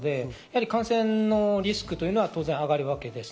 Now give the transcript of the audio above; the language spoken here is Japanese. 感染のリスクは当然上がるわけです。